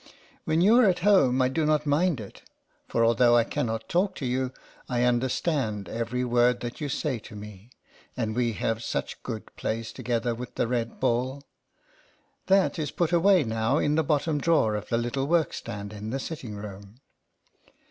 When you are at home I do not mind it, for although LETTERS FROM A CAT. 31 I cannot talk to you, I understand every word that you say to me, and we have such good plays together with the red ball. That is put away now in the bottom drawer of the little workstand in the sitting room.